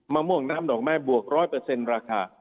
มะม่วงน้ำดอกไม้บวก๑๐๐เปอร์เซ็นต์ราคา